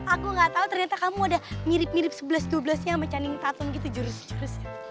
aku gak tau ternyata kamu udah mirip mirip sebelas dua belas nya sama caning tatum gitu jurus jurusnya